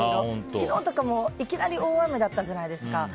昨日とかも、いきなり大雨だったじゃないですか。